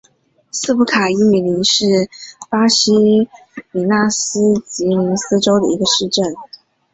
萨普卡伊米林是巴西米纳斯吉拉斯州的一个市镇。